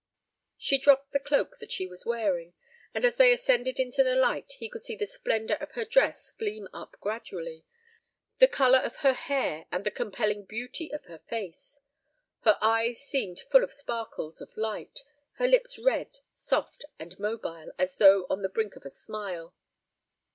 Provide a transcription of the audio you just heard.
She dropped the cloak that she was wearing, and as they ascended into the light he could see the splendor of her dress gleam up gradually, the color of her hair, and the compelling beauty of her face. Her eyes seemed full of sparkles of light; her lips red, soft, and mobile, as though on the brink of a smile.